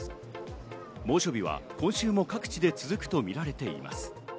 猛暑日は今週も各地で続くとみられています。